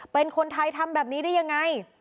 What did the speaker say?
เป็นคนไทยทำแบบนี้ได้ยังไง